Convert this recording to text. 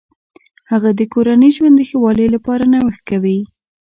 هغه د کورني ژوند د ښه والي لپاره نوښت کوي.